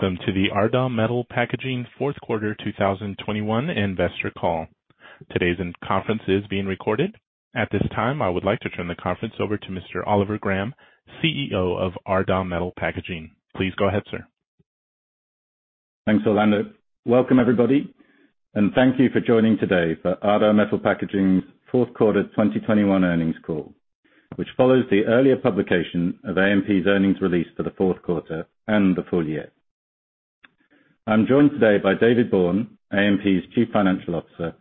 Welcome to the Ardagh Metal Packaging fourth quarter 2021 investor call. Today's conference is being recorded. At this time, I would like to turn the conference over to Mr. Oliver Graham, CEO of Ardagh Metal Packaging. Please go ahead, sir. Thanks, Orlando. Welcome, everybody, and thank you for joining today for Ardagh Metal Packaging's fourth quarter 2021 earnings call, which follows the earlier publication of AMP's earnings release for the fourth quarter and the full year. I'm joined today by David Bourne, AMP's Chief Financial Officer,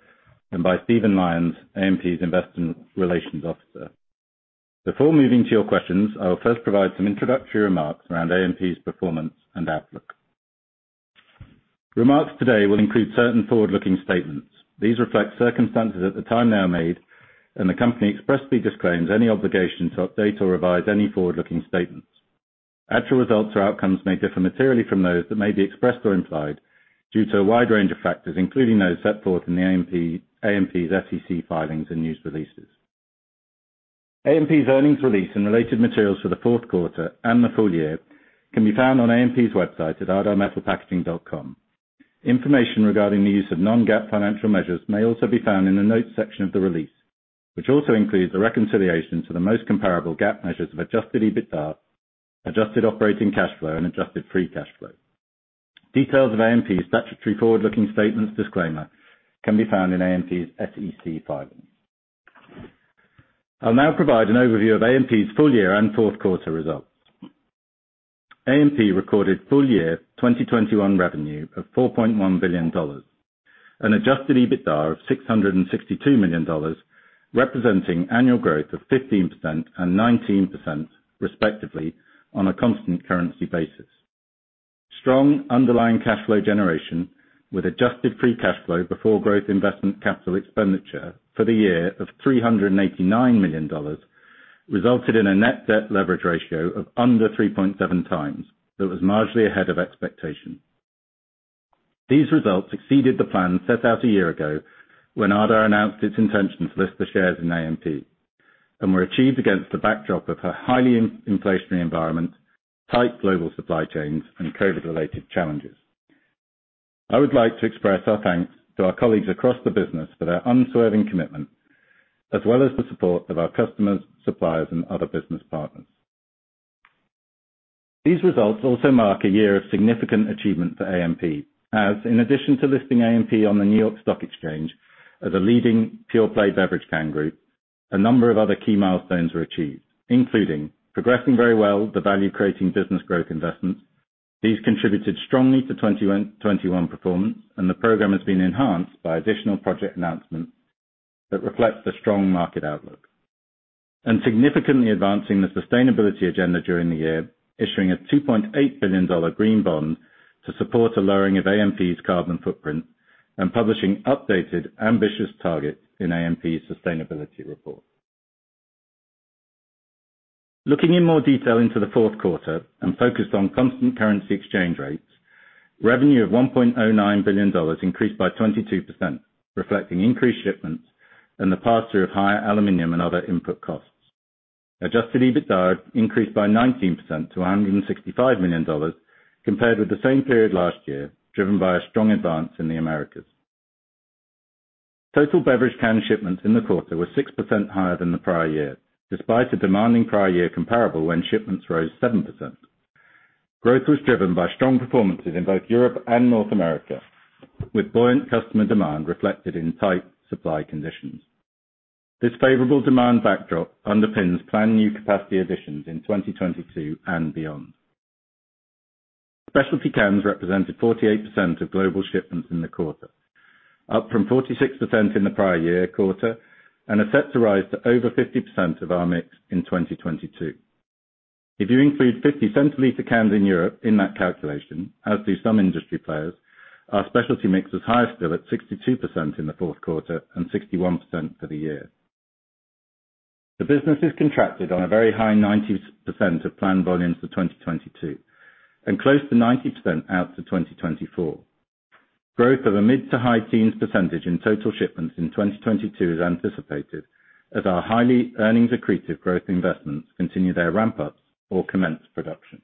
and by Stephen Lyons, AMP's Investor Relations Director. Before moving to your questions, I will first provide some introductory remarks around AMP's performance and outlook. Remarks today will include certain forward-looking statements. These reflect circumstances at the time they are made, and the company expressly disclaims any obligation to update or revise any forward-looking statements. Actual results or outcomes may differ materially from those that may be expressed or implied due to a wide range of factors, including those set forth in AMP's SEC filings and news releases. AMP's earnings release and related materials for the fourth quarter and the full year can be found on AMP's website at ardaghmetalpackaging.com. Information regarding the use of non-GAAP financial measures may also be found in the Notes section of the release, which also includes a reconciliation to the most comparable GAAP measures of adjusted EBITDA, adjusted operating cash flow, and adjusted free cash flow. Details of AMP's statutory forward-looking statements disclaimer can be found in AMP's SEC filings. I'll now provide an overview of AMP's full year and fourth quarter results. AMP recorded full year 2021 revenue of $4.1 billion, an adjusted EBITDA of $662 million, representing annual growth of 15% and 19% respectively on a constant currency basis. Strong underlying cash flow generation with adjusted free cash flow before growth investment capital expenditure for the year of $389 million resulted in a net debt leverage ratio of under 3.7x. That was marginally ahead of expectation. These results exceeded the plan set out a year ago when Ardagh announced its intention to list the shares in AMP and were achieved against the backdrop of a highly inflationary environment, tight global supply chains, and COVID-related challenges. I would like to express our thanks to our colleagues across the business for their unswerving commitment, as well as the support of our customers, suppliers, and other business partners. These results also mark a year of significant achievement for AMP. In addition to listing AMP on the New York Stock Exchange as a leading pure-play beverage can group, a number of other key milestones were achieved, including progressing very well the value-creating business growth investments. These contributed strongly to 2021 performance, and the program has been enhanced by additional project announcements that reflects the strong market outlook, significantly advancing the sustainability agenda during the year, issuing a $2.8 billion green bond to support a lowering of AMP's carbon footprint and publishing updated ambitious targets in AMP's sustainability report. Looking in more detail into the fourth quarter and focused on constant currency exchange rates, revenue of $1.09 billion increased by 22%, reflecting increased shipments and the pass-through of higher aluminum and other input costs. Adjusted EBITDA increased by 19% to $165 million compared with the same period last year, driven by a strong advance in the Americas. Total beverage can shipments in the quarter were 6% higher than the prior year, despite a demanding prior year comparable when shipments rose 7%. Growth was driven by strong performances in both Europe and North America, with buoyant customer demand reflected in tight supply conditions. This favorable demand backdrop underpins planned new capacity additions in 2022 and beyond. Specialty cans represented 48% of global shipments in the quarter, up from 46% in the prior year quarter, and are set to rise to over 50% of our mix in 2022. If you include 50cl cans in Europe in that calculation, as do some industry players, our specialty mix is higher still at 62% in the fourth quarter and 61% for the year. The business is contracted on a very high 90% of planned volumes for 2022 and close to 90% out to 2024. Growth of a mid-to-high teens percentage in total shipments in 2022 is anticipated as our highly earnings accretive growth investments continue their ramp up or commence production.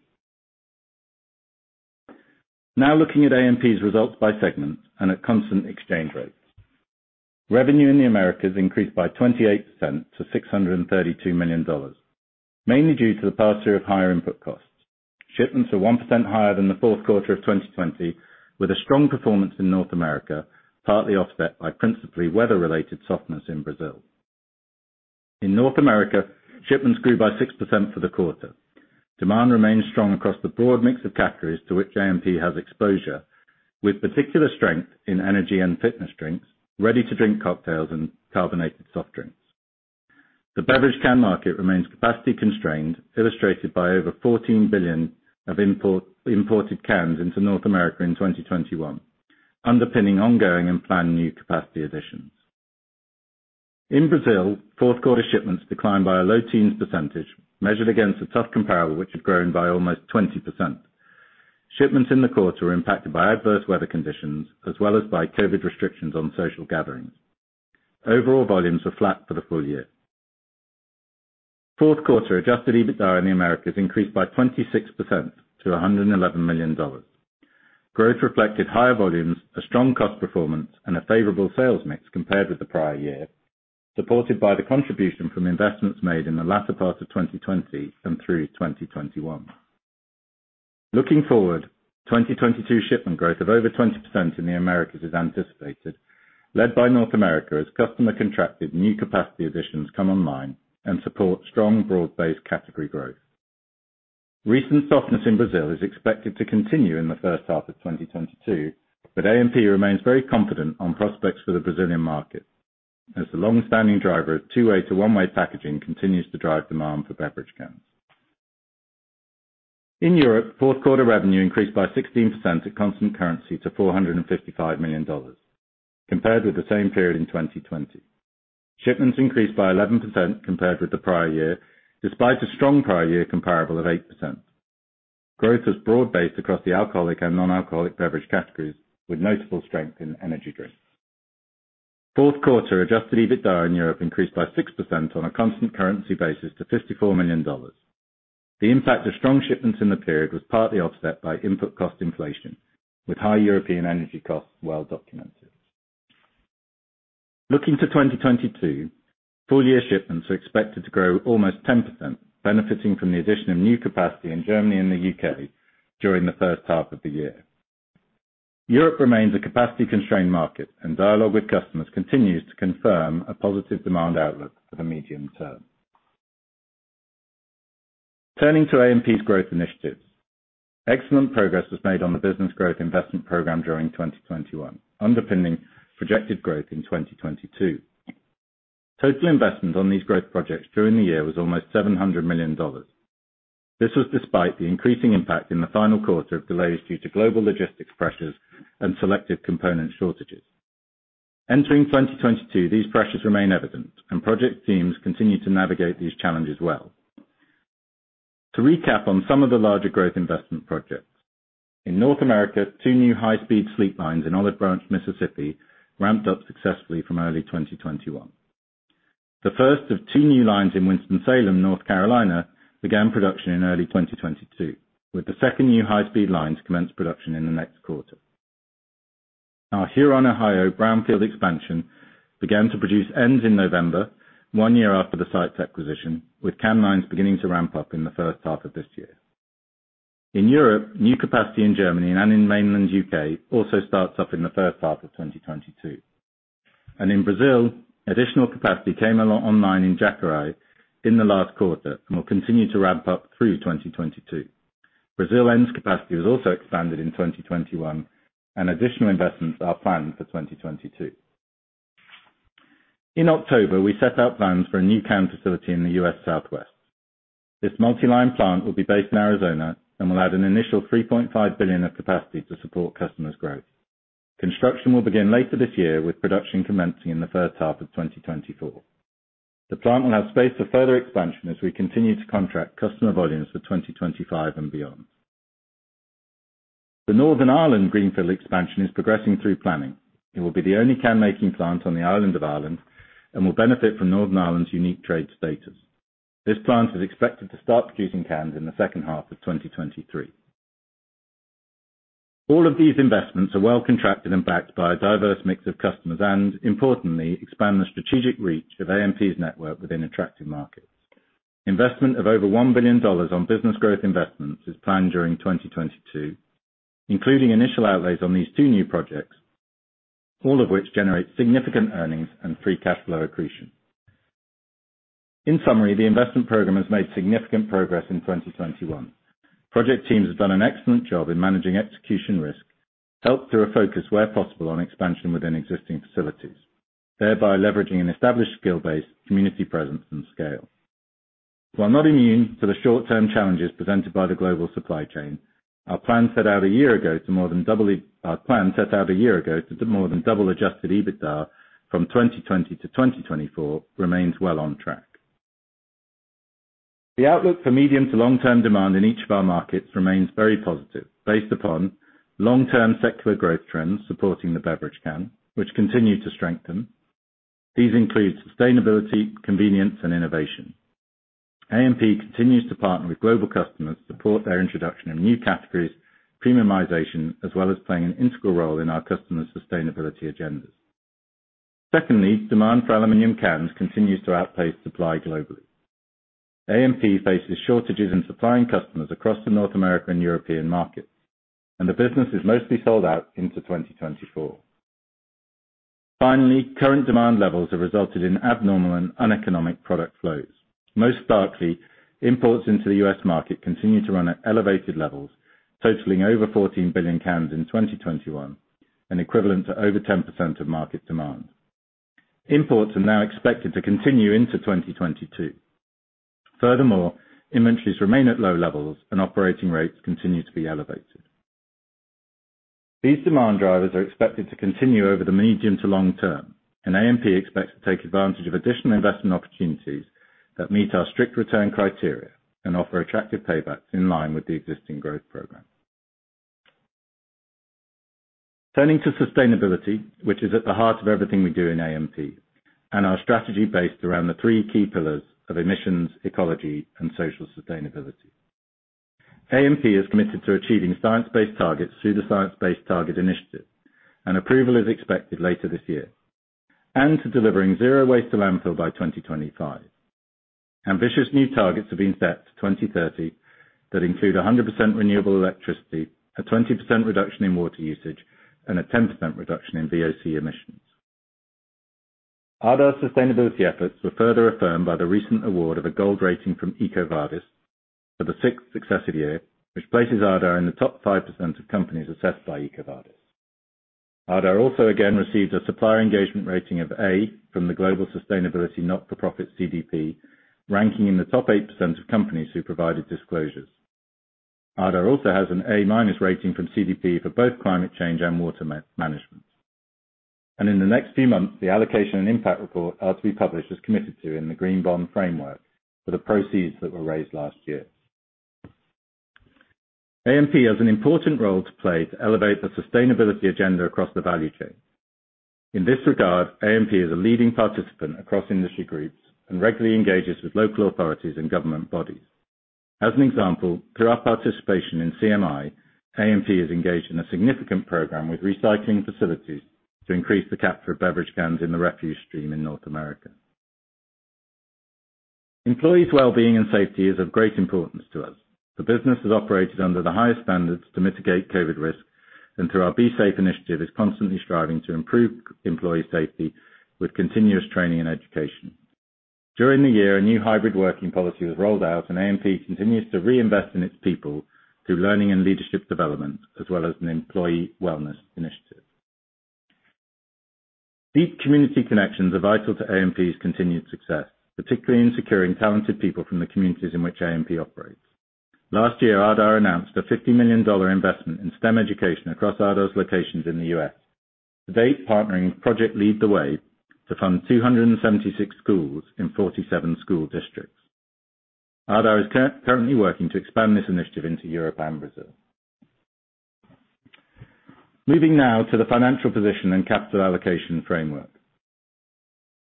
Now looking at AMP's results by segment and at constant exchange rates. Revenue in the Americas increased by 28% to $632 million, mainly due to the pass-through of higher input costs. Shipments are 1% higher than the fourth quarter of 2020, with a strong performance in North America, partly offset by principally weather-related softness in Brazil. In North America, shipments grew by 6% for the quarter. Demand remains strong across the broad mix of categories to which AMP has exposure, with particular strength in energy and fitness drinks, ready-to-drink cocktails, and carbonated soft drinks. The beverage can market remains capacity constrained, illustrated by over 14 billion imported cans into North America in 2021, underpinning ongoing and planned new capacity additions. In Brazil, fourth quarter shipments declined by a low teens percentage, measured against a tough comparable which had grown by almost 20%. Shipments in the quarter were impacted by adverse weather conditions as well as by COVID restrictions on social gatherings. Overall volumes were flat for the full year. Fourth quarter adjusted EBITDA in the Americas increased by 26% to $111 million. Growth reflected higher volumes, a strong cost performance, and a favorable sales mix compared with the prior year, supported by the contribution from investments made in the latter part of 2020 and through 2021. Looking forward, 2022 shipment growth of over 20% in the Americas is anticipated, led by North America as customer contracted new capacity additions come online and support strong broad-based category growth. Recent softness in Brazil is expected to continue in the first half of 2022, but AMP remains very confident on prospects for the Brazilian market as the long-standing driver of two-way to one-way packaging continues to drive demand for beverage cans. In Europe, fourth quarter revenue increased by 16% at constant currency to $455 million compared with the same period in 2020. Shipments increased by 11% compared with the prior year, despite a strong prior year comparable of 8%. Growth was broad-based across the alcoholic and non-alcoholic beverage categories, with notable strength in energy drinks. Fourth quarter adjusted EBITDA in Europe increased by 6% on a constant currency basis to $54 million. The impact of strong shipments in the period was partly offset by input cost inflation, with high European energy costs well documented. Looking to 2022, full year shipments are expected to grow almost 10%, benefiting from the addition of new capacity in Germany and the U.K. during the first half of the year. Europe remains a capacity-constrained market and dialogue with customers continues to confirm a positive demand outlook for the medium term. Turning to AMP's growth initiatives. Excellent progress was made on the business growth investment program during 2021, underpinning projected growth in 2022. Total investment on these growth projects during the year was almost $700 million. This was despite the increasing impact in the final quarter of delays due to global logistics pressures and selective component shortages. Entering 2022, these pressures remain evident, and project teams continue to navigate these challenges well. To recap on some of the larger growth investment projects. In North America, two new high-speed slitter lines in Olive Branch, Mississippi ramped up successfully from early 2021. The first of two new lines in Winston-Salem, North Carolina began production in early 2022, with the second new high speed line to commence production in the next quarter. Our Huron, Ohio brownfield expansion began to produce ends in November, one year after the site's acquisition, with can lines beginning to ramp up in the first half of this year. In Europe, new capacity in Germany and in mainland U.K. also starts up in the first half of 2022. In Brazil, additional capacity came online in Jacareí in the last quarter and will continue to ramp up through 2022. Brazil ends capacity was also expanded in 2021, and additional investments are planned for 2022. In October, we set out plans for a new can facility in the U.S. Southwest. This multi-line plant will be based in Arizona and will add an initial 3.5 billion of capacity to support customers' growth. Construction will begin later this year, with production commencing in the first half of 2024. The plant will have space for further expansion as we continue to contract customer volumes for 2025 and beyond. The Northern Ireland greenfield expansion is progressing through planning. It will be the only can making plant on the island of Ireland and will benefit from Northern Ireland's unique trade status. This plant is expected to start producing cans in the second half of 2023. All of these investments are well contracted and backed by a diverse mix of customers, and importantly, expand the strategic reach of AMP's network within attractive markets. Investment of over $1 billion on business growth investments is planned during 2022, including initial outlays on these two new projects, all of which generate significant earnings and free cash flow accretion. In summary, the investment program has made significant progress in 2021. Project teams have done an excellent job in managing execution risk, helped through a focus where possible on expansion within existing facilities, thereby leveraging an established skill base, community presence, and scale. While not immune to the short term challenges presented by the global supply chain, our plan set out a year ago to more than double adjusted EBITDA from 2020 to 2024 remains well on track. The outlook for medium to long term demand in each of our markets remains very positive based upon long term secular growth trends supporting the beverage can, which continue to strengthen. These include sustainability, convenience, and innovation. AMP continues to partner with global customers to support their introduction in new categories, premiumization, as well as playing an integral role in our customers' sustainability agendas. Secondly, demand for aluminum cans continues to outpace supply globally. AMP faces shortages in supplying customers across the North American and European markets, and the business is mostly sold out into 2024. Finally, current demand levels have resulted in abnormal and uneconomic product flows. Most sparkling imports into the U.S. market continue to run at elevated levels, totaling over 14 billion cans in 2021 and equivalent to over 10% of market demand. Imports are now expected to continue into 2022. Furthermore, inventories remain at low levels and operating rates continue to be elevated. These demand drivers are expected to continue over the medium to long term, and AMP expects to take advantage of additional investment opportunities that meet our strict return criteria and offer attractive paybacks in line with the existing growth program. Turning to sustainability, which is at the heart of everything we do in AMP, and our strategy based around the three key pillars of emissions, ecology, and social sustainability. AMP is committed to achieving science-based targets through the Science Based Targets initiative, and approval is expected later this year, to delivering zero waste to landfill by 2025. Ambitious new targets have been set to 2030 that include 100% renewable electricity, a 20% reduction in water usage, and a 10% reduction in VOC emissions. Ardagh sustainability efforts were further affirmed by the recent award of a gold rating from EcoVadis for the sixth successive year, which places Ardagh in the top 5% of companies assessed by EcoVadis. Ardagh also again receives a supplier engagement rating of A from the global sustainability not-for-profit CDP, ranking in the top 8% of companies who provided disclosures. Ardagh also has an A-minus rating from CDP for both climate change and water management. In the next few months, the allocation and impact report are to be published as committed to in the green bond framework for the proceeds that were raised last year. AMP has an important role to play to elevate the sustainability agenda across the value chain. In this regard, AMP is a leading participant across industry groups and regularly engages with local authorities and government bodies. As an example, through our participation in CMI, AMP is engaged in a significant program with recycling facilities to increase the capture of beverage cans in the refuse stream in North America. Employees' well-being and safety is of great importance to us. The business has operated under the highest standards to mitigate COVID risk, and through our Be Safe initiative, is constantly striving to improve employee safety with continuous training and education. During the year, a new hybrid working policy was rolled out, and AMP continues to reinvest in its people through learning and leadership development, as well as an employee wellness initiative. Deep community connections are vital to AMP's continued success, particularly in securing talented people from the communities in which AMP operates. Last year, Ardagh announced a $50 million investment in STEM education across Ardagh's locations in the U.S. Today, partnering with Project Lead The Way to fund 276 schools in 47 school districts, Ardagh is currently working to expand this initiative into Europe and Brazil. Moving now to the financial position and capital allocation framework.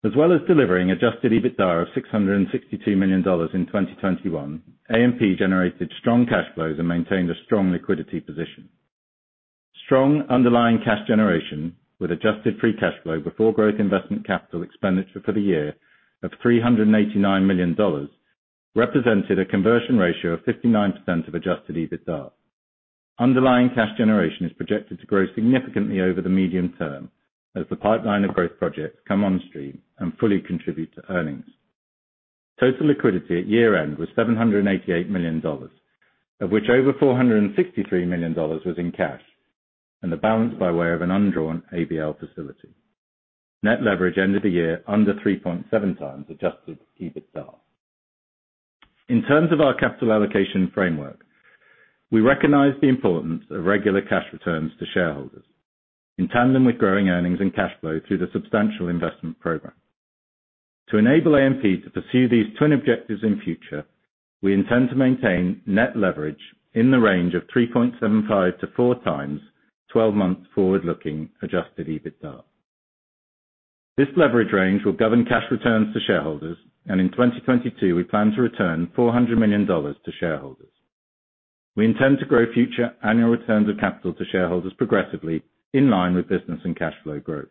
As well as delivering adjusted EBITDA of $662 million in 2021, AMP generated strong cash flows and maintained a strong liquidity position. Strong underlying cash generation with adjusted free cash flow before growth investment capital expenditure for the year of $389 million represented a conversion ratio of 59% of adjusted EBITDA. Underlying cash generation is projected to grow significantly over the medium term as the pipeline of growth projects come on stream and fully contribute to earnings. Total liquidity at year-end was $788 million, of which over $463 million was in cash and the balance by way of an undrawn ABL facility. Net leverage ended the year under 3.7x adjusted EBITDA. In terms of our capital allocation framework, we recognize the importance of regular cash returns to shareholders in tandem with growing earnings and cash flow through the substantial investment program. To enable AMP to pursue these twin objectives in future, we intend to maintain net leverage in the range of 3.75x-4x 12 months forward-looking adjusted EBITDA. This leverage range will govern cash returns to shareholders, and in 2022, we plan to return $400 million to shareholders. We intend to grow future annual returns of capital to shareholders progressively in line with business and cash flow growth.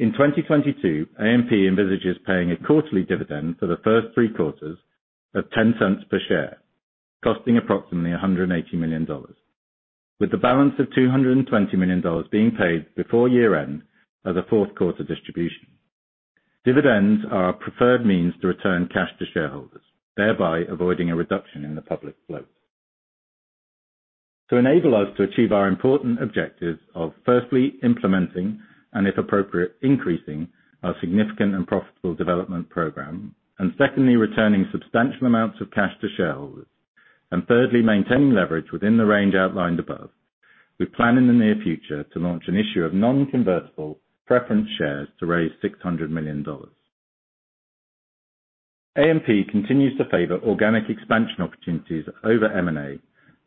In 2022, AMP envisages paying a quarterly dividend for the first three quarters of $0.10 per share, costing approximately $180 million, with the balance of $220 million being paid before year-end as a fourth quarter distribution. Dividends are a preferred means to return cash to shareholders, thereby avoiding a reduction in the public float. To enable us to achieve our important objectives of, firstly, implementing and, if appropriate, increasing our significant and profitable development program, and secondly, returning substantial amounts of cash to shareholders, and thirdly, maintaining leverage within the range outlined above, we plan in the near future to launch an issue of non-convertible preference shares to raise $600 million. AMP continues to favor organic expansion opportunities over M&A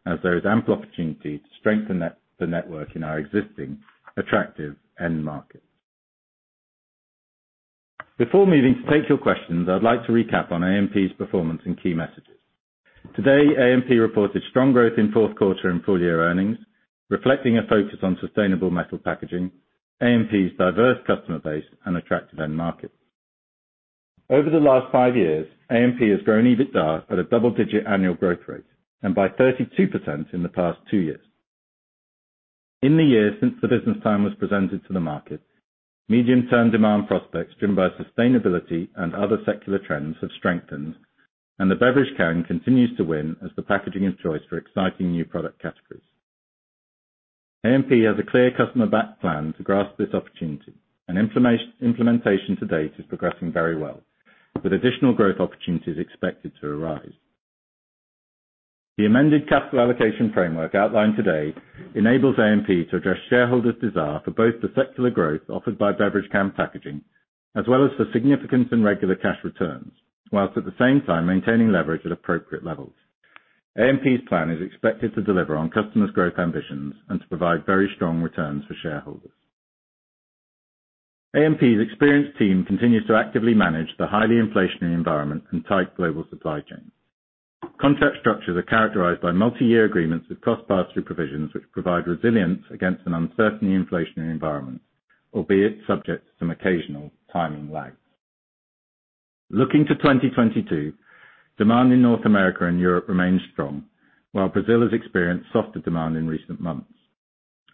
as there is ample opportunity to strengthen the network in our existing attractive end markets. Before moving to take your questions, I'd like to recap on AMP's performance and key messages. Today, AMP reported strong growth in fourth quarter and full-year earnings, reflecting a focus on sustainable metal packaging, AMP's diverse customer base, and attractive end markets. Over the last five years, AMP has grown EBITDA at a double-digit annual growth rate and by 32% in the past two years. In the year since the business plan was presented to the market, medium-term demand prospects driven by sustainability and other secular trends have strengthened, and the beverage can continues to win as the packaging of choice for exciting new product categories. AMP has a clear customer-backed plan to grasp this opportunity, and implementation to date is progressing very well, with additional growth opportunities expected to arise. The amended capital allocation framework outlined today enables AMP to address shareholders' desire for both the secular growth offered by beverage can packaging, as well as for significant and regular cash returns, while at the same time maintaining leverage at appropriate levels. AMP's plan is expected to deliver on customers' growth ambitions and to provide very strong returns for shareholders. AMP's experienced team continues to actively manage the highly inflationary environment and tight global supply chain. Contract structures are characterized by multi-year agreements with cost pass-through provisions which provide resilience against an uncertain inflationary environment, albeit subject to some occasional timing lags. Looking to 2022, demand in North America and Europe remains strong, while Brazil has experienced softer demand in recent months.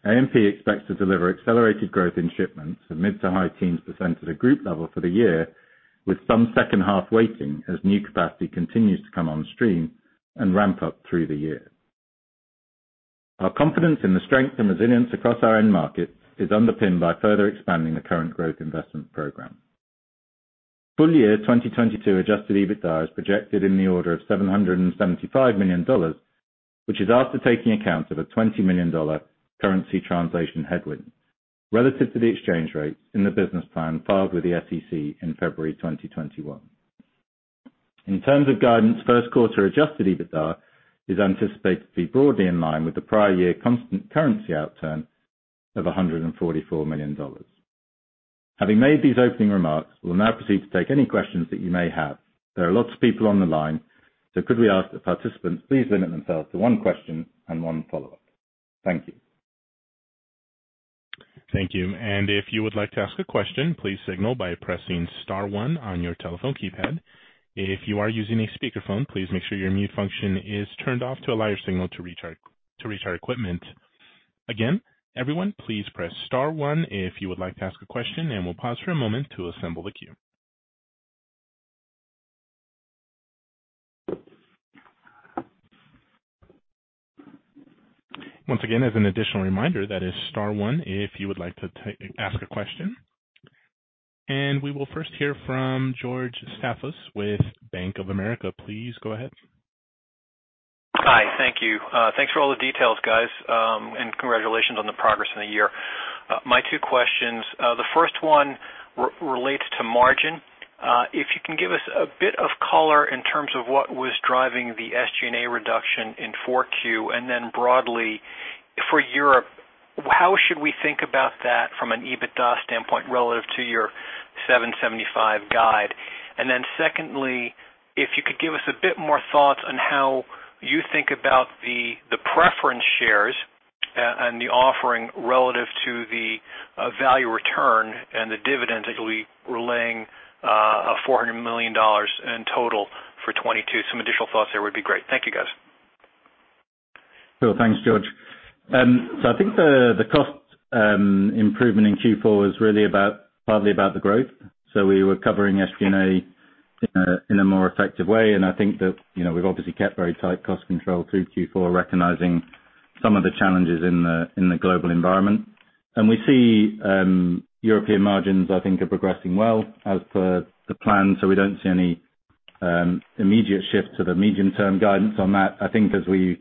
AMP expects to deliver accelerated growth in shipments of mid-to-high teens percentage at a group level for the year, with some second half weighting as new capacity continues to come on stream and ramp up through the year. Our confidence in the strength and resilience across our end markets is underpinned by further expanding the current growth investment program. Full-year 2022 adjusted EBITDA is projected in the order of $775 million, which is after taking account of a $20 million currency translation headwind relative to the exchange rates in the business plan filed with the SEC in February 2021. In terms of guidance, first-quarter adjusted EBITDA is anticipated to be broadly in line with the prior year constant currency outturn of $144 million. Having made these opening remarks, we will now proceed to take any questions that you may have. There are lots of people on the line, so could we ask that participants please limit themselves to one question and one follow-up? Thank you. Thank you. If you would like to ask a question, please signal by pressing star one on your telephone keypad. If you are using a speakerphone, please make sure your mute function is turned off to allow your signal to reach our equipment. Again, everyone, please press star one if you would like to ask a question, and we'll pause for a moment to assemble the queue. Once again, as an additional reminder, that is star one if you would like to ask a question. We will first hear from George Staphos with Bank of America. Please go ahead. Hi. Thank you. Thanks for all the details, guys, and congratulations on the progress in the year. My two questions. The first one relates to margin. If you can give us a bit of color in terms of what was driving the SG&A reduction in Q4. Then broadly for Europe, how should we think about that from an EBITDA standpoint relative to your $775 million guide? Secondly, if you could give us a bit more thoughts on how you think about the preference shares and the offering relative to the value return and the dividends that will be yielding $400 million in total for 2022. Some additional thoughts there would be great. Thank you, guys. Sure. Thanks, George. I think the cost improvement in Q4 was partly about the growth. We were covering SG&A in a more effective way, and I think that, you know, we've obviously kept very tight cost control through Q4, recognizing some of the challenges in the global environment. We see European margins, I think, are progressing well as per the plan. We don't see any immediate shift to the medium-term guidance on that. I think as we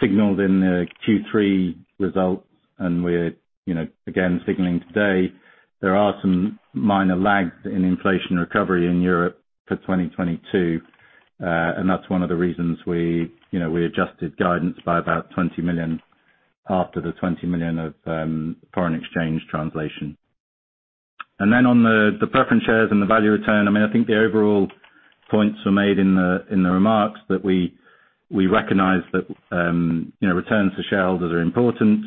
signaled in the Q3 results, and we're, you know, again, signaling today, there are some minor lags in inflation recovery in Europe for 2022. That's one of the reasons we, you know, adjusted guidance by about $20 million after the $20 million of foreign exchange translation. On the preference shares and the value return, I mean, I think the overall points were made in the remarks that we recognize that, you know, returns to shareholders are important.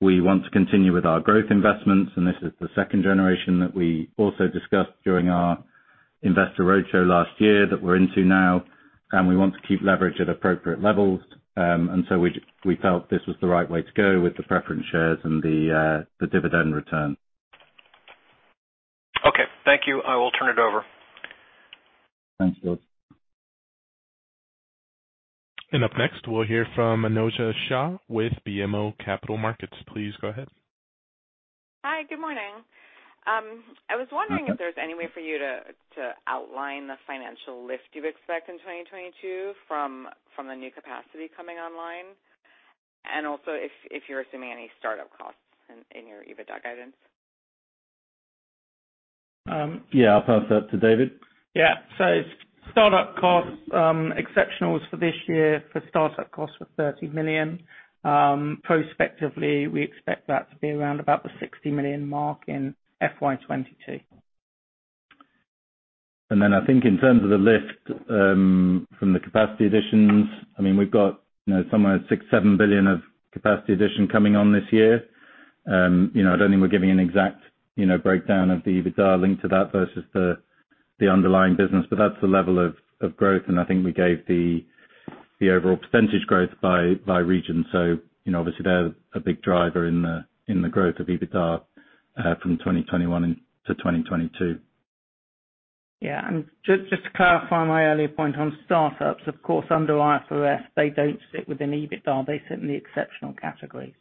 We want to continue with our growth investments, and this is the second generation that we also discussed during our investor roadshow last year that we're into now, and we want to keep leverage at appropriate levels. We felt this was the right way to go with the preference shares and the dividend return. Okay, thank you. I will turn it over. Thanks, George. Up next, we'll hear from Anojja Shah with BMO Capital Markets. Please go ahead. Hi. Good morning. I was wondering if there's any way for you to outline the financial lift you expect in 2022 from the new capacity coming online and also if you're assuming any startup costs in your EBITDA guidance. Yeah. I'll pass that to David. Startup costs, exceptionals for this year for startup costs were $30 million. Prospectively, we expect that to be around about the $60 million mark in FY 2022. I think in terms of the lift from the capacity additions, I mean, we've got, you know, somewhere 6-7 billion of capacity addition coming on this year. I don't think we're giving an exact, you know, breakdown of the EBITDA linked to that versus the underlying business. That's the level of growth, and I think we gave the overall percentage growth by region. You know, obviously they're a big driver in the growth of EBITDA from 2021 to 2022. Yeah. Just to clarify my earlier point on startups, of course, under IFRS, they don't sit within EBITDA. They sit in the exceptional category.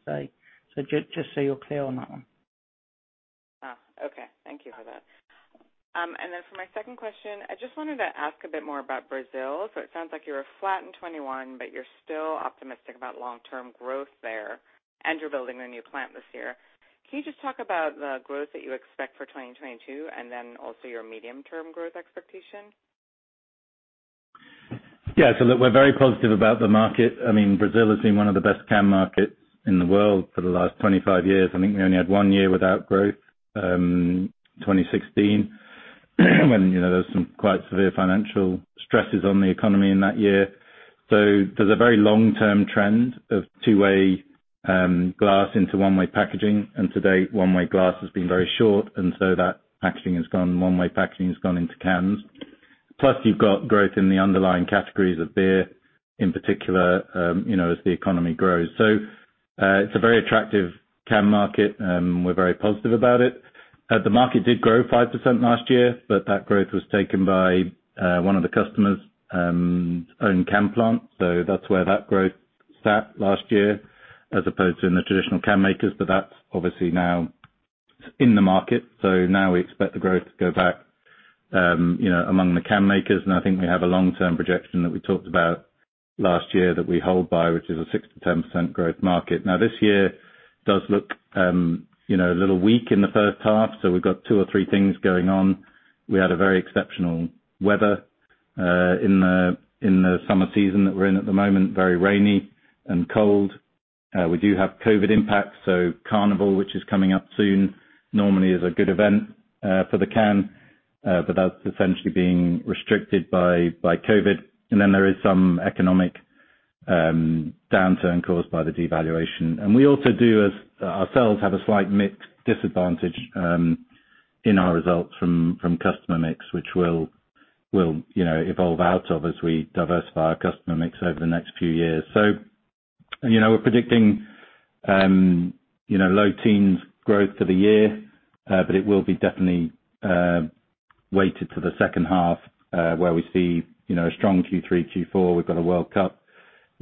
Just so you're clear on that one. Thank you for that. For my second question, I just wanted to ask a bit more about Brazil. It sounds like you were flat in 2021, but you're still optimistic about long-term growth there, and you're building a new plant this year. Can you just talk about the growth that you expect for 2022 and then also your medium-term growth expectation? Yeah. Look, we're very positive about the market. I mean, Brazil has been one of the best can markets in the world for the last 25 years. I think we only had one year without growth, 2016, when, you know, there was some quite severe financial stresses on the economy in that year. There's a very long-term trend of two-way glass into one-way packaging, and today, one-way glass has been very short, and so that packaging has gone, one-way packaging has gone into cans. Plus you've got growth in the underlying categories of beer, in particular, you know, as the economy grows. It's a very attractive can market, we're very positive about it. The market did grow 5% last year, but that growth was taken by one of the customer's own can plant. That's where that growth sat last year, as opposed to in the traditional can makers, but that's obviously now in the market. Now we expect the growth to go back, you know, among the can makers. I think we have a long-term projection that we talked about last year that we hold by, which is a 6%-10% growth market. Now this year does look, you know, a little weak in the first half, so we've got two or three things going on. We had a very exceptional weather in the summer season that we're in at the moment, very rainy and cold. We do have COVID impacts, so Carnival, which is coming up soon, normally is a good event for the can, but that's essentially being restricted by COVID. Then there is some economic downturn caused by the devaluation. We also ourselves have a slight mix disadvantage in our results from customer mix, which we'll you know evolve out of as we diversify our customer mix over the next few years. You know, we're predicting low teens growth for the year but it will be definitely weighted to the second half where we see you know a strong Q3, Q4. We've got a World Cup,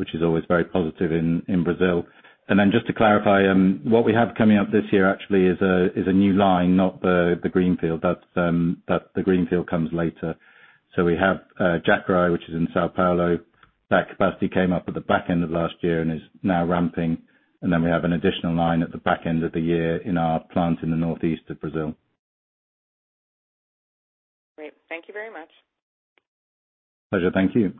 which is always very positive in Brazil. Just to clarify, what we have coming up this year actually is a new line, not the Greenfield. That's the Greenfield comes later. We have Jacareí, which is in São Paulo. That capacity came up at the back end of last year and is now ramping. We have an additional line at the back end of the year in our plant in the northeast of Brazil. Great. Thank you very much. Pleasure. Thank you.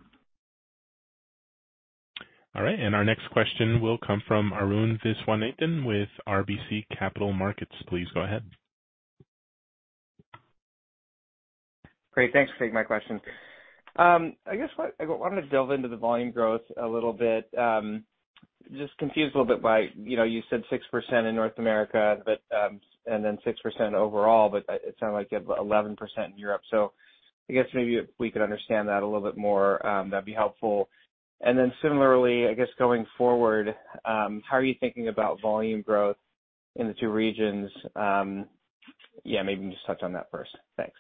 All right, and our next question will come from Arun Viswanathan with RBC Capital Markets. Please go ahead. Great. Thanks for taking my question. I wanted to delve into the volume growth a little bit. Just confused a little bit by, you know, you said 6% in North America, but and then 6% overall, but it sounded like you have 11% in Europe. I guess maybe if we could understand that a little bit more, that'd be helpful. Similarly, I guess, going forward, how are you thinking about volume growth in the two regions? Yeah, maybe just touch on that first. Thanks.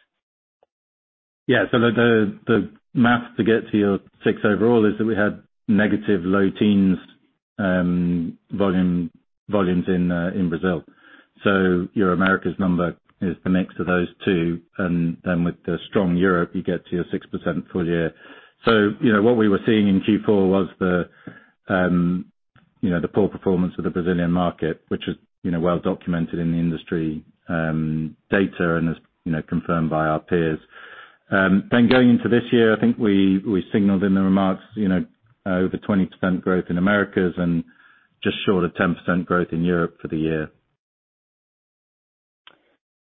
Yeah, the math to get to your 6% overall is that we had negative low teens volumes in Brazil. Your Americas number is the mix of those two. With the strong Europe, you get to your 6% full year. What we were seeing in Q4 was the poor performance of the Brazilian market. Which is well documented in the industry data and is confirmed by our peers. Going into this year, I think we signaled in the remarks, you know, over 20% growth in Americas and just short of 10% growth in Europe for the year.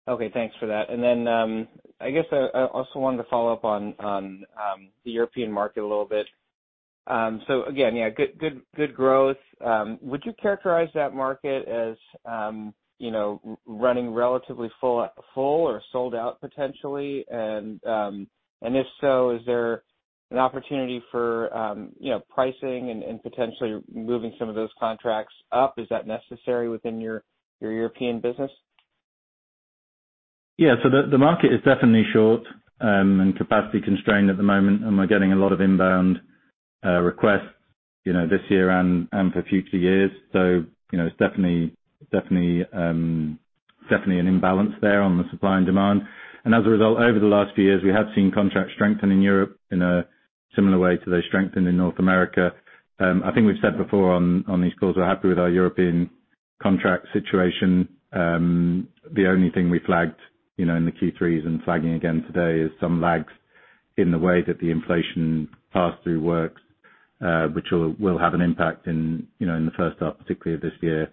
Okay, thanks for that. I guess I also wanted to follow up on the European market a little bit. Again, yeah, good growth. Would you characterize that market as you know, running relatively full or sold out potentially? If so, is there an opportunity for you know, pricing and potentially moving some of those contracts up? Is that necessary within your European business? The market is definitely short and capacity constrained at the moment, and we're getting a lot of inbound requests, you know, this year and for future years. You know, it's definitely an imbalance there on the supply and demand. As a result, over the last few years, we have seen contracts strengthen in Europe in a similar way to those strengthened in North America. I think we've said before on these calls, we're happy with our European contract situation. The only thing we flagged, you know, in the Q3s and flagging again today is some lags in the way that the inflation pass-through works, which will have an impact in, you know, in the first half, particularly of this year.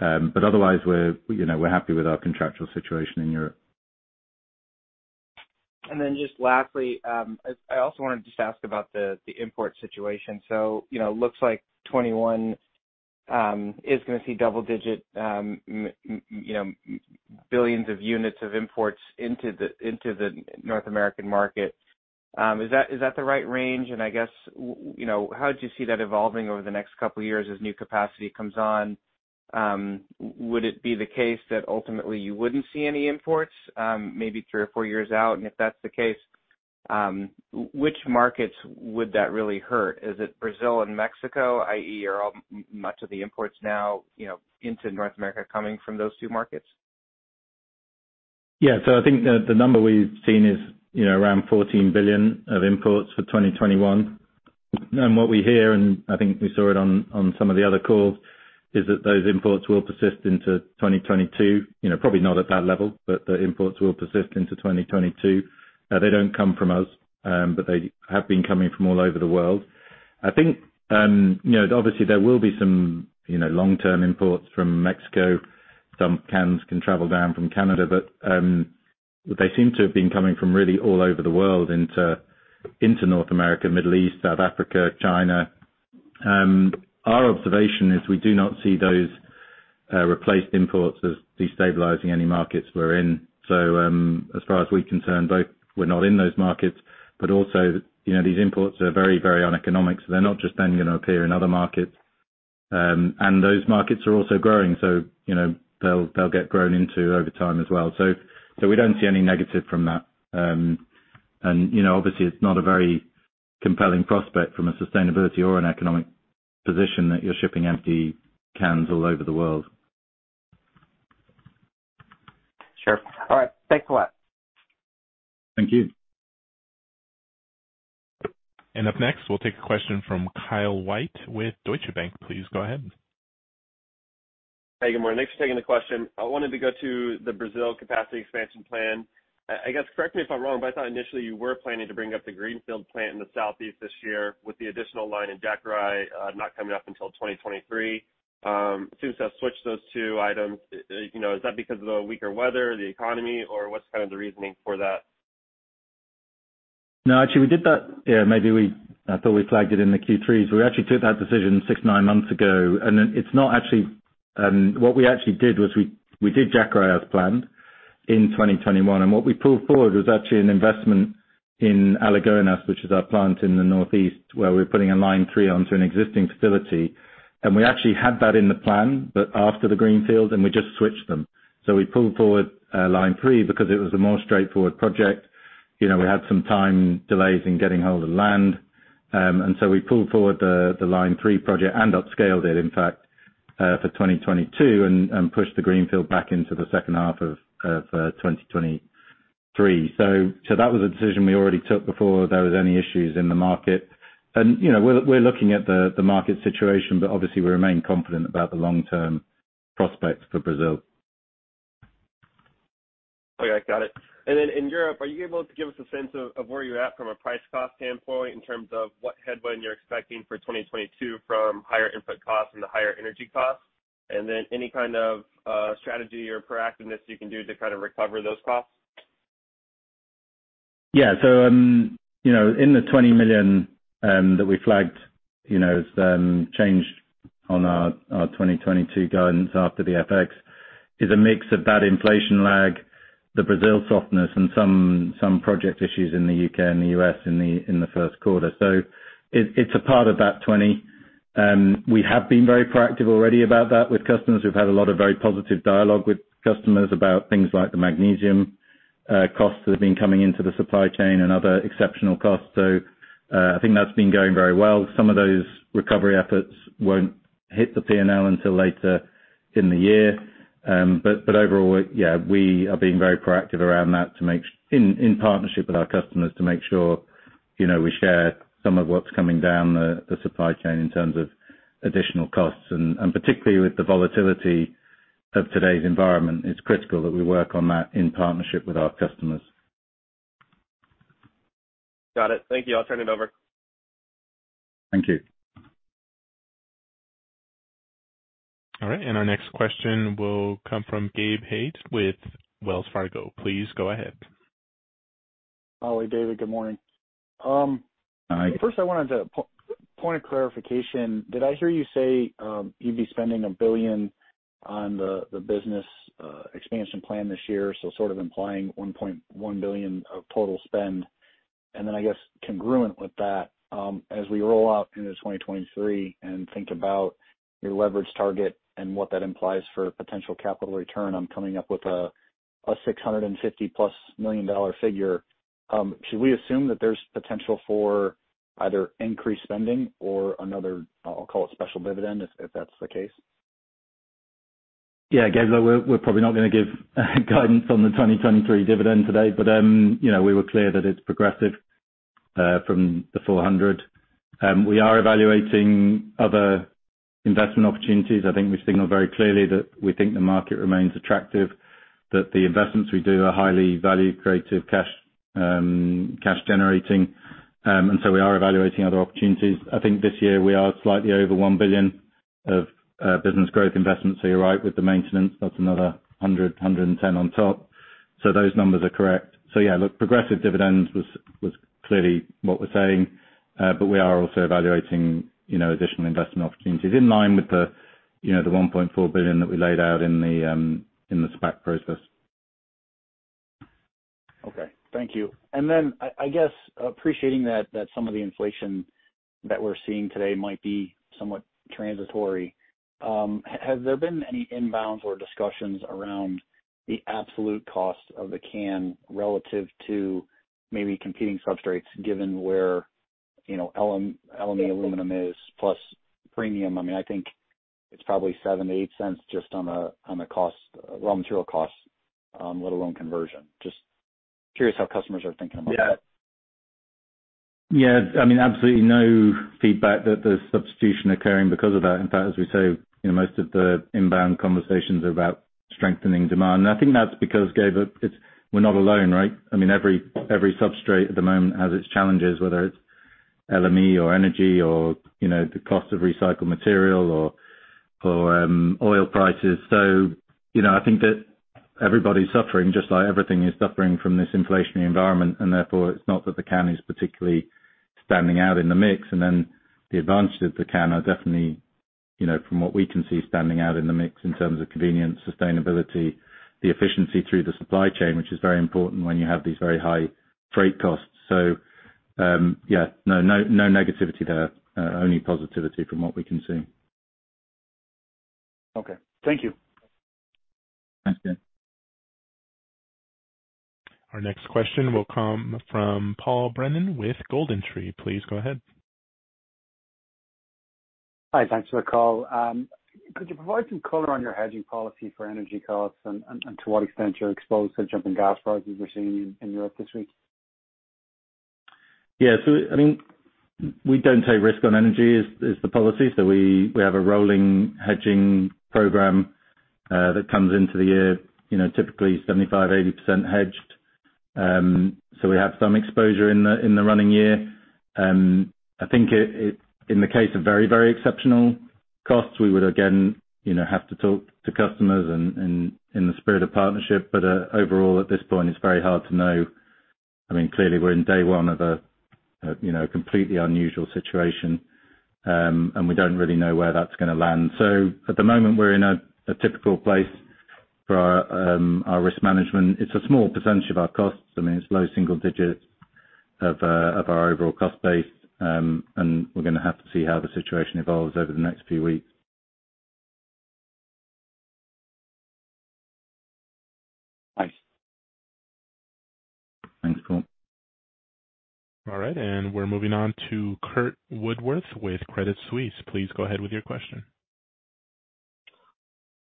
Otherwise we're, you know, happy with our contractual situation in Europe. Just lastly, I also wanted to just ask about the import situation. You know, looks like 2021 is gonna see double-digit, you know, billions of units of imports into the North American market. Is that the right range? I guess, you know, how did you see that evolving over the next couple of years as new capacity comes on? Would it be the case that ultimately you wouldn't see any imports maybe three or four years out? If that's the case, which markets would that really hurt? Is it Brazil and Mexico, i.e., are almost all of the imports now, you know, into North America coming from those two markets? Yeah. I think the number we've seen is, you know, around 14 billion imports for 2021. What we hear, and I think we saw it on some of the other calls, is that those imports will persist into 2022, you know, probably not at that level, but the imports will persist into 2022. They don't come from us, but they have been coming from all over the world. I think, you know, obviously there will be some long-term imports from Mexico. Some cans can travel down from Canada, but they seem to have been coming from really all over the world into North America, Middle East, South Africa, China. Our observation is we do not see those replacement imports as destabilizing any markets we're in. As far as we're concerned, both we're not in those markets, but also, you know, these imports are very, very uneconomic, so they're not just then gonna appear in other markets. Those markets are also growing, so, you know, they'll get grown into over time as well. We don't see any negative from that. You know, obviously it's not a very compelling prospect from a sustainability or an economic position that you're shipping empty cans all over the world. Sure. All right. Thanks a lot. Thank you. Up next, we'll take a question from Kyle White with Deutsche Bank. Please go ahead. Hey, good morning. Thanks for taking the question. I wanted to go to the Brazil capacity expansion plan. I guess, correct me if I'm wrong, but I thought initially you were planning to bring up the greenfield plant in the southeast this year with the additional line in Jacareí not coming up until 2023. It seems to have switched those two items. You know, is that because of the weaker weather, the economy, or what's kind of the reasoning for that? No, actually, we did that. I thought we flagged it in the Q3. We actually took that decision six-nine months ago. What we actually did was we did Jacareí as planned in 2021, and what we pulled forward was actually an investment in Alagoinhas, which is our plant in the northeast, where we're putting a line three onto an existing facility. We actually had that in the plan, but after the greenfield, and we just switched them. We pulled forward line three because it was the more straightforward project. You know, we had some time delays in getting hold of land. We pulled forward the line three project and upscaled it, in fact, for 2022 and pushed the greenfield back into the second half of 2023. That was a decision we already took before there was any issues in the market. You know, we're looking at the market situation, but obviously we remain confident about the long-term prospects for Brazil. Okay, got it. Then in Europe, are you able to give us a sense of where you're at from a price cost standpoint in terms of what headwind you're expecting for 2022 from higher input costs and the higher energy costs? Then any kind of strategy or proactiveness you can do to kind of recover those costs? Yeah. You know, in the $20 million that we flagged, you know, changed on our 2022 guidance after the FX, is a mix of bad inflation lag, the Brazil softness, and some project issues in the U.K. and the U.S. in the first quarter. It's a part of that $20 million. We have been very proactive already about that with customers. We've had a lot of very positive dialogue with customers about things like the magnesium costs that have been coming into the supply chain and other exceptional costs. I think that's been going very well. Some of those recovery efforts won't hit the P&L until later in the year. Overall, yeah, we are being very proactive around that to make in partnership with our customers to make sure, you know, we share some of what's coming down the supply chain in terms of additional costs. Particularly with the volatility of today's environment, it's critical that we work on that in partnership with our customers. Got it. Thank you. I'll turn it over. Thank you. All right, our next question will come from Gabe Hajde with Wells Fargo. Please go ahead. Hi, David. Good morning. Hi. First, point of clarification, did I hear you say you'd be spending $1 billion on the business expansion plan this year, so sort of implying $1.1 billion of total spend? I guess congruent with that, as we roll out into 2023 and think about your leverage target and what that implies for potential capital return, I'm coming up with a $650+ million figure. Should we assume that there's potential for either increased spending or another, I'll call it special dividend if that's the case? Yeah, Gabe. Look, we're probably not gonna give guidance on the 2023 dividend today, but you know, we were clear that it's progressive from the 400. We are evaluating other investment opportunities. I think we signaled very clearly that we think the market remains attractive, that the investments we do are highly value creative cash generating. We are evaluating other opportunities. I think this year we are slightly over $1 billion of business growth investments. You're right, with the maintenance, that's another $110 million on top. Those numbers are correct. Yeah, look, progressive dividends was clearly what we're saying. We are also evaluating additional investment opportunities in line with the $1.4 billion that we laid out in the SPAC process. Okay. Thank you. I guess appreciating that some of the inflation that we're seeing today might be somewhat transitory, has there been any inbounds or discussions around the absolute cost of the can relative to maybe competing substrates given where, you know, aluminum is plus premium? I mean, I think it's probably $0.07-$0.08 just on the cost, raw material costs, let alone conversion. Just- Curious how customers are thinking about that. Yeah. Yeah, I mean, absolutely no feedback that there's substitution occurring because of that. In fact, as we say, you know, most of the inbound conversations are about strengthening demand. I think that's because, Gabe, it's we're not alone, right? I mean, every substrate at the moment has its challenges, whether it's LME or energy or, you know, the cost of recycled material or oil prices. You know, I think that everybody's suffering just like everything is suffering from this inflationary environment, and therefore, it's not that the can is particularly standing out in the mix. The advantages of the can are definitely, you know, from what we can see, standing out in the mix in terms of convenience, sustainability, the efficiency through the supply chain, which is very important when you have these very high freight costs. Yeah, no negativity there. Only positivity from what we can see. Okay. Thank you. Thanks, Gabe. Our next question will come from Paul Brennan with GoldenTree. Please go ahead. Hi. Thanks for the call. Could you provide some color on your hedging policy for energy costs and to what extent you're exposed to the jumping gas prices we're seeing in Europe this week? Yeah. I think we don't take risk on energy is the policy. We have a rolling hedging program that comes into the year, you know, typically 75%-80% hedged. We have some exposure in the running year. I think it in the case of very, very exceptional costs, we would again, you know, have to talk to customers in the spirit of partnership. But overall, at this point, it's very hard to know. I mean, clearly we're in day one of a you know, completely unusual situation, and we don't really know where that's gonna land. At the moment, we're in a typical place for our our risk management. It's a small percentage of our costs. I mean, it's low single digits of of our overall cost base. We're gonna have to see how the situation evolves over the next few weeks. Thanks. Thanks, Paul. All right, we're moving on to Curt Woodworth with Credit Suisse. Please go ahead with your question.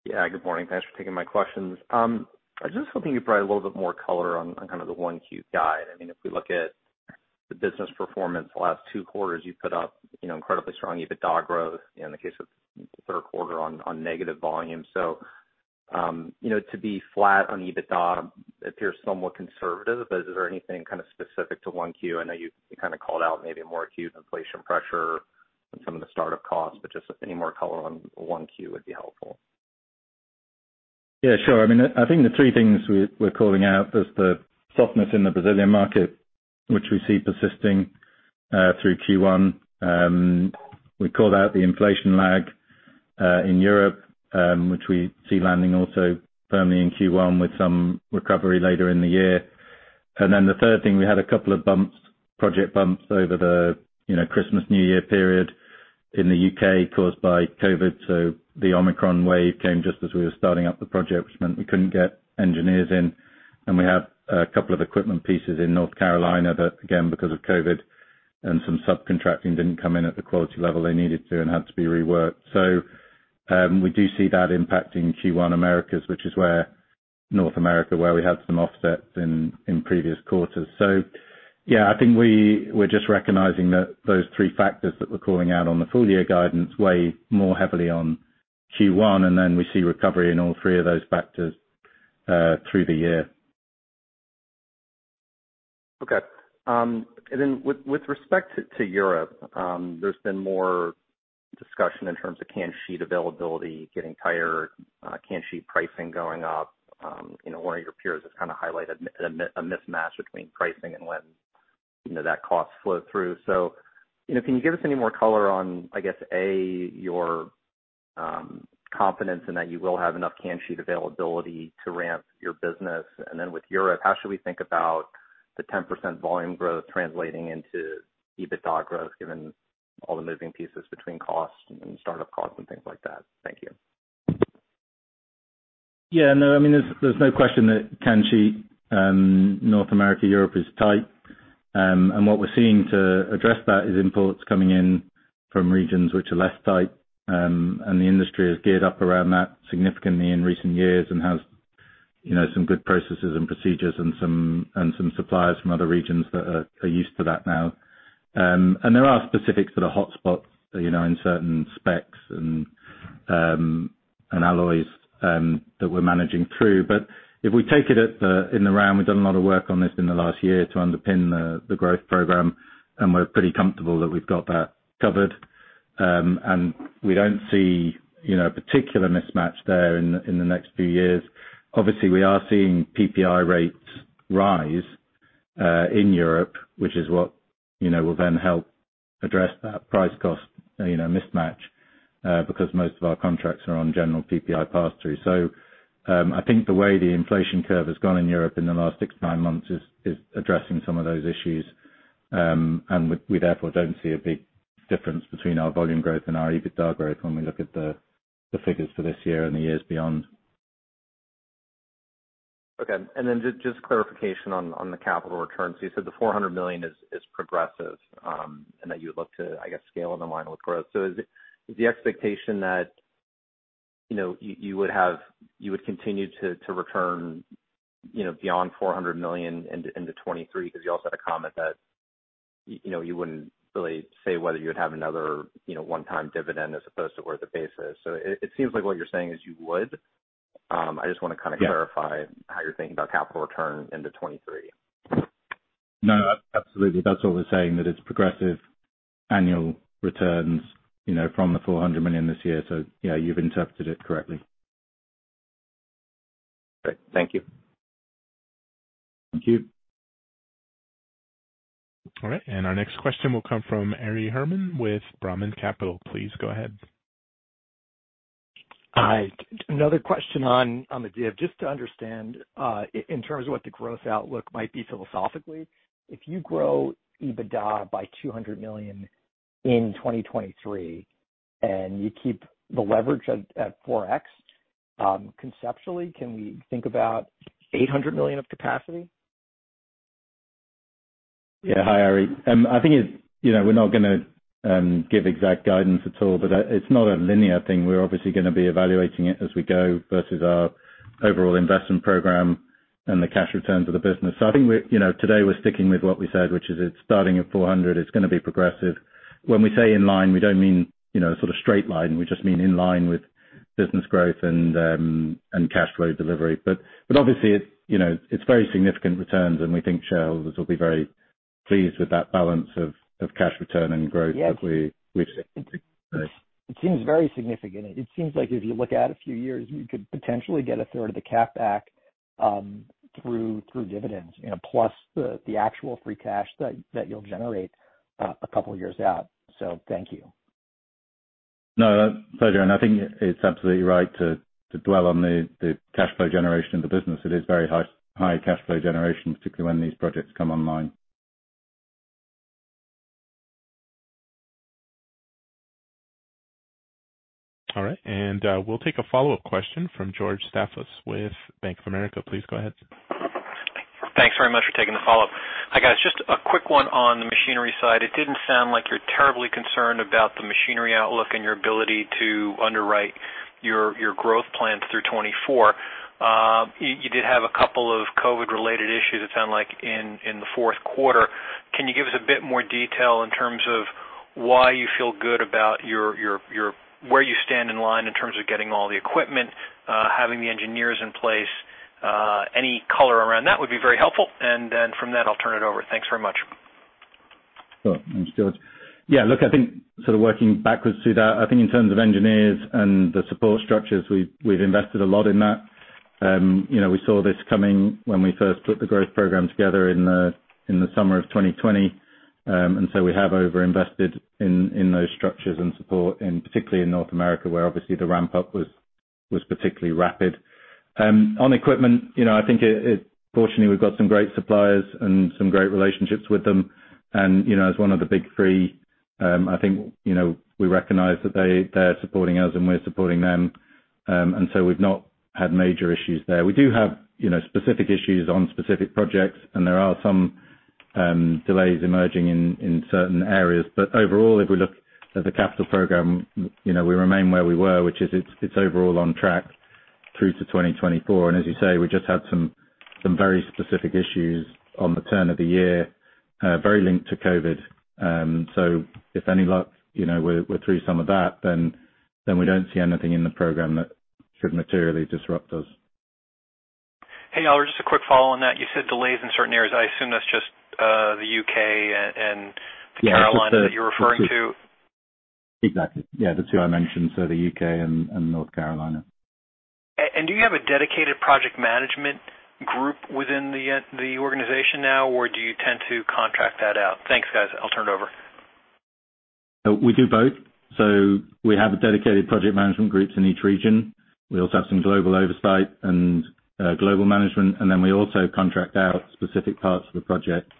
Yeah, good morning. Thanks for taking my questions. I was just hoping you'd provide a little bit more color on kind of the 1Q guide. I mean, if we look at the business performance the last 2 quarters, you've put up, you know, incredibly strong EBITDA growth, you know, in the case of third quarter on negative volume. You know, to be flat on EBITDA appears somewhat conservative, but is there anything kind of specific to 1Q? I know you kind of called out maybe more acute inflation pressure and some of the start-up costs, but just any more color on 1Q would be helpful. Yeah, sure. I mean, I think the three things we're calling out is the softness in the Brazilian market, which we see persisting through Q1. We called out the inflation lag in Europe, which we see landing also firmly in Q1 with some recovery later in the year. The third thing, we had a couple of bumps, project bumps over the Christmas, New Year period in the U.K. caused by COVID. The Omicron wave came just as we were starting up the project, which meant we couldn't get engineers in. We had a couple of equipment pieces in North Carolina that, again, because of COVID and some subcontracting, didn't come in at the quality level they needed to and had to be reworked. We do see that impacting Q1 Americas, which is where North America, where we had some offsets in previous quarters. Yeah, I think we're just recognizing that those three factors that we're calling out on the full year guidance weigh more heavily on Q1, and then we see recovery in all three of those factors through the year. Okay. And then with respect to Europe, there's been more discussion in terms of can sheet availability getting tighter, can sheet pricing going up. You know, one of your peers has kind of highlighted a mismatch between pricing and when, you know, that cost flowed through. You know, can you give us any more color on, I guess, A, your confidence in that you will have enough can sheet availability to ramp your business? And then with Europe, how should we think about the 10% volume growth translating into EBITDA growth, given all the moving pieces between costs and start-up costs and things like that? Thank you. Yeah, no. I mean, there's no question that can sheet North America, Europe is tight. What we're seeing to address that is imports coming in from regions which are less tight, and the industry has geared up around that significantly in recent years and has you know some good processes and procedures and some suppliers from other regions that are used to that now. There are specific sort of hotspots you know in certain specs and alloys that we're managing through. If we take it in the round, we've done a lot of work on this in the last year to underpin the growth program, and we're pretty comfortable that we've got that covered. We don't see you know a particular mismatch there in the next few years. Obviously, we are seeing PPI rates rise in Europe, which is what, you know, will then help address that price cost, you know, mismatch because most of our contracts are on general PPI pass-through. I think the way the inflation curve has gone in Europe in the last 6-9 months is addressing some of those issues. We therefore don't see a big difference between our volume growth and our EBITDA growth when we look at the figures for this year and the years beyond. Okay. Then just clarification on the capital returns. You said the $400 million is progressive, and that you look to, I guess, scale in line with growth. Is the expectation that you would continue to return beyond $400 million into 2023, because you also had a comment that you wouldn't really say whether you would have another one-time dividend as opposed to where the base is. It seems like what you're saying is you would. I just wanna kind of, Yeah. Clarify how you're thinking about capital return into 2023. No, absolutely. That's what we're saying, that it's progressive annual returns, you know, from the $400 million this year. Yeah, you've interpreted it correctly. Great. Thank you. Thank you. All right. Our next question will come from Ari Herman with Brahman Capital. Please go ahead. Hi. Another question on the debt. Just to understand, in terms of what the growth outlook might be philosophically, if you grow EBITDA by $200 million in 2023, and you keep the leverage at 4x, conceptually, can we think about $800 million of capacity? Yeah. Hi, Ari. I think it's, you know, we're not gonna give exact guidance at all, but it's not a linear thing. We're obviously gonna be evaluating it as we go versus our overall investment program and the cash returns of the business. I think we're, you know, today we're sticking with what we said, which is it's starting at $400, it's gonna be progressive. When we say in line, we don't mean, you know, sort of straight line. We just mean in line with business growth and cash flow delivery. Obviously it's, you know, it's very significant returns, and we think shareholders will be very pleased with that balance of cash return and growth, Yes. that we've set. It seems very significant. It seems like if you look out a few years, you could potentially get a third of the cap back, through dividends, you know, plus the actual free cash that you'll generate, a couple years out. Thank you. No, pleasure. I think it's absolutely right to dwell on the cash flow generation of the business. It is very high cash flow generation, particularly when these projects come online. All right. We'll take a follow-up question from George Staphos with Bank of America. Please go ahead. Thanks very much for taking the follow-up. Hi, guys, just a quick one on the machinery side. It didn't sound like you're terribly concerned about the machinery outlook and your ability to underwrite your growth plans through 2024. You did have a couple of COVID-related issues, it sounded like, in the fourth quarter. Can you give us a bit more detail in terms of why you feel good about your where you stand in line in terms of getting all the equipment, having the engineers in place? Any color around that would be very helpful. Then from then, I'll turn it over. Thanks very much. Sure. Thanks, George. Yeah, look, I think sort of working backwards through that, I think in terms of engineers and the support structures, we've invested a lot in that. You know, we saw this coming when we first put the growth program together in the summer of 2020. We have overinvested in those structures and support, and particularly in North America, where obviously the ramp up was particularly rapid. On equipment, you know, I think it, fortunately, we've got some great suppliers and some great relationships with them. You know, as one of the Big Three, I think, you know, we recognize that they're supporting us, and we're supporting them. We've not had major issues there. We do have, you know, specific issues on specific projects, and there are some delays emerging in certain areas. But overall, if we look at the capital program, you know, we remain where we were, which is, it's overall on track through to 2024. As you say, we just had some very specific issues on the turn of the year, very linked to COVID. With any luck, you know, we're through some of that, then we don't see anything in the program that should materially disrupt us. Hey, Oliver, just a quick follow on that. You said delays in certain areas. I assume that's just the U.K. and the- Yeah Carolina that you're referring to. Exactly. Yeah, the two I mentioned, so the U.K. and North Carolina. Do you have a dedicated project management group within the organization now, or do you tend to contract that out? Thanks, guys. I'll turn it over. We do both. We have dedicated project management groups in each region. We also have some global oversight and global management, and then we also contract out specific parts of the project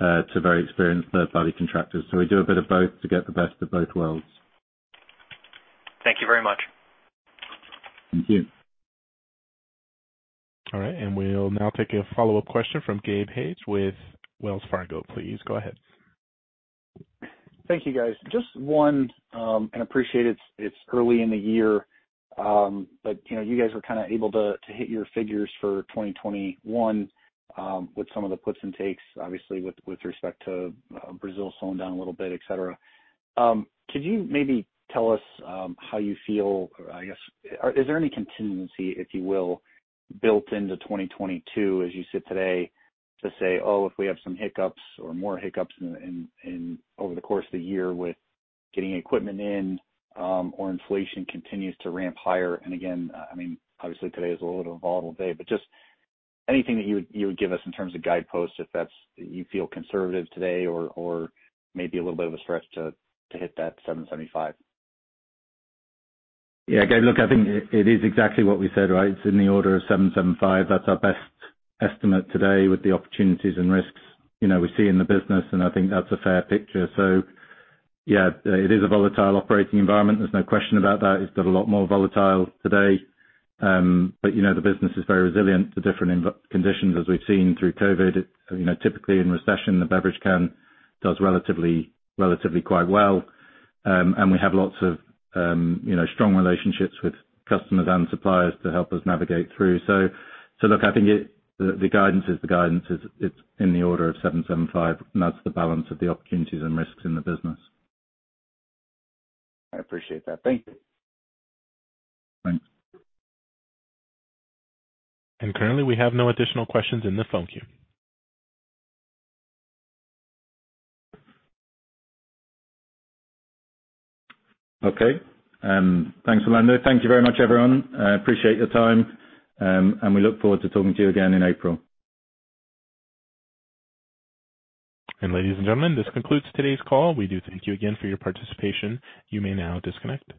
to very experienced third-party contractors. We do a bit of both to get the best of both worlds. Thank you very much. Thank you. All right. We'll now take a follow-up question from Gabe Hajde with Wells Fargo. Please go ahead. Thank you, guys. Just one, appreciate it's early in the year, but you know, you guys were kinda able to hit your figures for 2021, with some of the puts and takes, obviously with respect to Brazil slowing down a little bit, et cetera. Could you maybe tell us how you feel, or I guess is there any contingency, if you will, built into 2022 as you sit today to say, "Oh, if we have some hiccups or more hiccups over the course of the year with getting equipment in, or inflation continues to ramp higher." I mean, obviously today is a little volatile day, but just anything that you would give us in terms of guideposts if that's you feel conservative today or maybe a little bit of a stretch to hit that 775. Yeah. Gabe, look, I think it is exactly what we said, right? It's in the order of $775. That's our best estimate today with the opportunities and risks, you know, we see in the business, and I think that's a fair picture. Yeah, it is a volatile operating environment. There's no question about that. It's a lot more volatile today. But you know, the business is very resilient to different conditions as we've seen through COVID. You know, typically in a recession, the beverage can does relatively quite well. And we have lots of, you know, strong relationships with customers and suppliers to help us navigate through. So look, I think the guidance is in the order of $775, and that's the balance of the opportunities and risks in the business. I appreciate that. Thank you. Thanks. Currently, we have no additional questions in the phone queue. Okay. Thanks, Orlando. Thank you very much, everyone. I appreciate your time, and we look forward to talking to you again in April. Ladies and gentlemen, this concludes today's call. We do thank you again for your participation. You may now disconnect.